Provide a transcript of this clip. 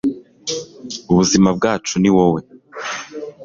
ubuzima bwacu ni wowe